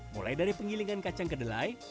mulai dari penggilingan kacang kedelai